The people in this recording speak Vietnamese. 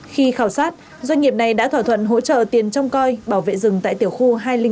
khi khảo sát doanh nghiệp này đã thỏa thuận hỗ trợ tiền trong coi bảo vệ rừng tại tiểu khu hai trăm linh bốn